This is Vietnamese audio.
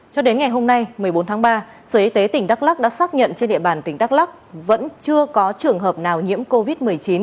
cho đến ngày hôm nay một mươi bốn tháng ba sở y tế tỉnh đắk lắc đã xác nhận trên địa bàn tỉnh đắk lắc vẫn chưa có trường hợp nào nhiễm covid một mươi chín